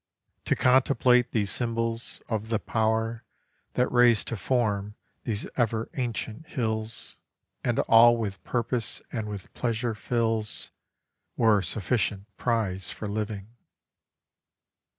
To contemplate these symbols of the Power That raised to form these ever ancient hills IN CITY CREEK CANYON. 21 And all with purpose and with pleasure fills, Were a sufficient prize for living.